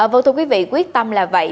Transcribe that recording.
vô thủ quý vị quyết tâm là vậy